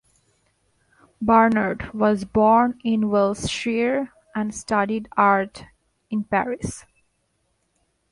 Barnard was born in Wiltshire and studied art in Paris.